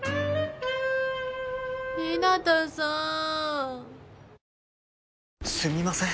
日向さんすみません